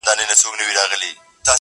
کلی رخصت اخلي ه ښاريه ماتېږي~